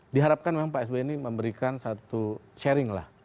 diharapkan memang pak sby ini memberikan satu sharing lah